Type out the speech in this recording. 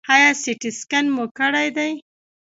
ایا سټي سکن مو کړی دی؟